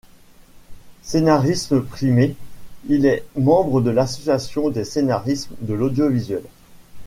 Scénariste primé, il est membre de l'Association des scénaristes de l'Audiovisuel.